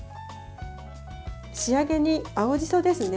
仕上げに青じそですね。